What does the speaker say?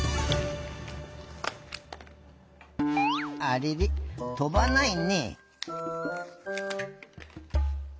あれれとばないねえ。